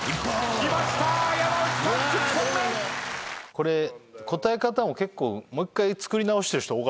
これ答え方も結構もう１回作り直してる人多かったもんね。